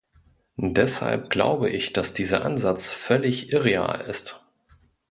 Deshalb glaube ich, dass dieser Ansatz völlig irreal ist.